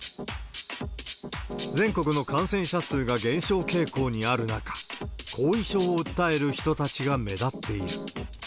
全国の感染者数が減少傾向にある中、後遺症を訴える人たちが目立っている。